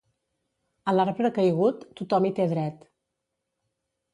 A l'arbre caigut, tothom hi té dret.